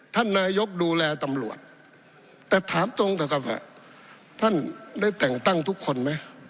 ท่านนายกดูแลตำรวจแต่ถามตรงเถอะครับว่าท่านได้แต่งตั้งทุกคนไหม